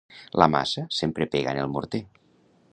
La maça sempre pega en el morter.